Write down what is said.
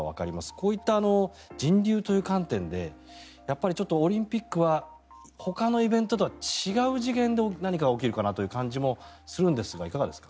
こういった人流という観点でやっぱりオリンピックはほかのイベントとは違う次元で何かが起きるかなという感じもするんですがいかがですか。